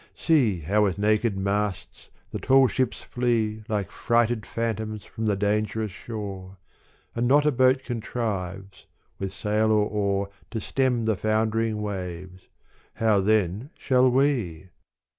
See how with naked masts the tall ships flee Like frighted phantoms from the dangerous shore, And not a boat contrives with sail or oar To stem the foundering waves : how then shall we